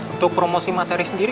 untuk promosi materi sendiri